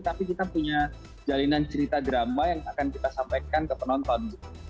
tapi kita punya jalinan cerita drama yang akan kita sampaikan ke penonton